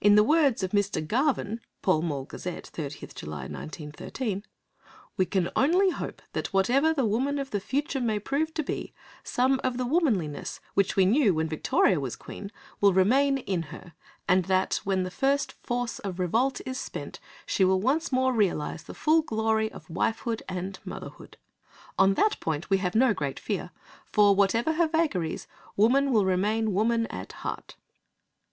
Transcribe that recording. In the words of Mr. Garvin (Pall Mall Gazette, 30th July 1913), "we can only hope that, whatever the woman of the future may prove to be, some of the womanliness which we knew when Victoria was Queen will remain in her, and that, when the first force of revolt is spent, she will once more realise the full glory of wifehood and motherhood. On that point we have no great fear, for, whatever her vagaries, woman will remain woman at heart."